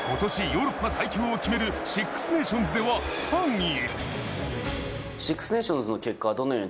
ヨーロッパ最強を決める、シックスネーションズでは３位。